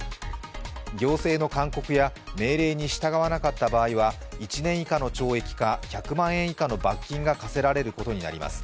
行政の勧告や命令に従わなかった場合は、１年以下の懲役か１００万円以下の罰金が科せられることになります。